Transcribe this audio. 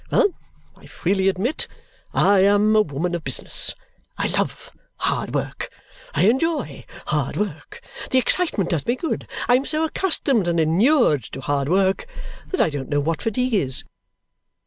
Well! I freely admit, I am a woman of business. I love hard work; I enjoy hard work. The excitement does me good. I am so accustomed and inured to hard work that I don't know what fatigue is."